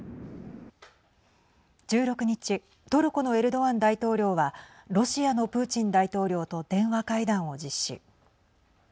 １６日トルコのエルドアン大統領はロシアのプーチン大統領と電話会談を実施。